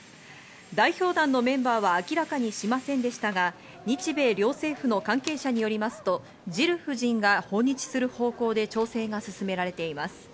代表団のメンバーは明らかにしませんでしたが、日米両政府の関係者によりますと、ジル夫人が訪日する方向で調整が進められています。